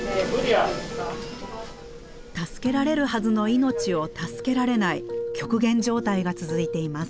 助けられるはずの命を助けられない極限状態が続いています。